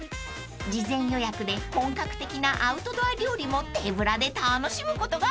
［事前予約で本格的なアウトドア料理も手ぶらで楽しむことができちゃいます］